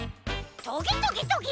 トゲトゲトゲ。